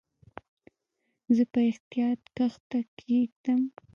زه په احتیاط کښته کېږم.